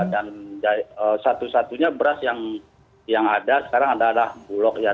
dan satu satunya beras yang ada sekarang adalah bulan